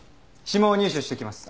指紋を入手してきます。